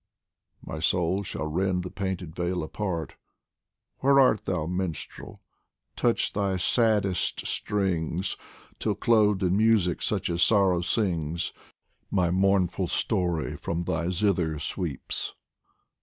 My soul shall rend the painted veil apart. Where art thou, Minstrel ! touch thy saddest strings Till clothed in music such as sorrow sings, My mournful story from thy zither sweeps.